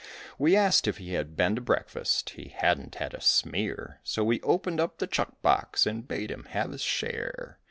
We asked if he had been to breakfast; he hadn't had a smear, So we opened up the chuck box and bade him have his share.